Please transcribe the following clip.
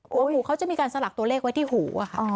หัวหมูเขาจะมีการสลักตัวเลขไว้ที่หู